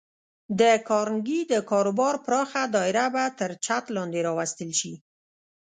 د کارنګي د کاروبار پراخه دایره به تر چت لاندې راوستل شي